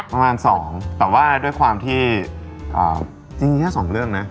ประมาณสองแต่ว่าด้วยความที่จริงแค่สองเรื่องนะ